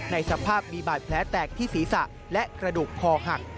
ในสภาพมีบาดแผลแตกที่ศีรษะและกระดูกคอหัก